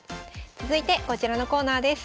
続いてこちらのコーナーです。